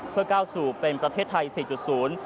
เพื่อก้าวสู่เป็นประเทศไทย๔๐